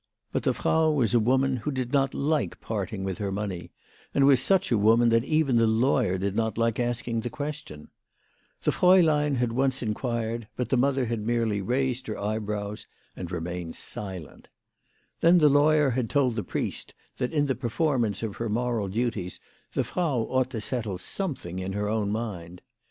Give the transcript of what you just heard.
But the Frau was a woman who did not like parting with her money ; and was such a woman that even the lawyer did not like asking the question. The fraulein had once inquired, but the mother had merely raised her WHY FRAU FROHMANN RAISED HER PRICES. 33 eyebrows and remained silent. Then the lawyer had told the priest that in the performance of her moral duties the Frau ought to settle something in her own mind.